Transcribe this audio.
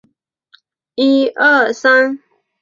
之后因病归乡。